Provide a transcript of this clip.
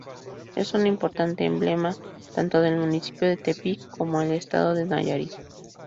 Es un importante emblema tanto del municipio de Tepic como del estado de Nayarit.